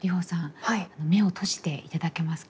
目を閉じていただけますか？